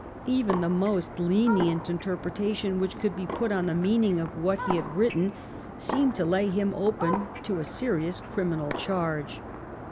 Even the most lenient interpretation which could be put on the meaning of what he had written seemed to lay him open to a serious criminal charge.